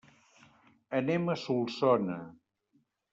Anem a Solsona.